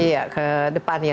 iya ke depannya